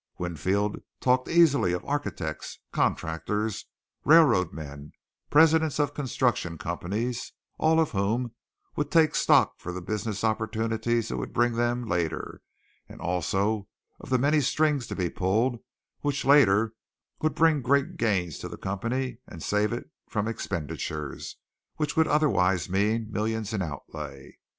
Winfield talked easily of architects, contractors, railroad men, presidents of construction companies, all of whom would take stock for the business opportunities it would bring to them later and also of the many strings to be pulled which later would bring great gains to the company and save it from expenditures which would otherwise mean millions in outlay.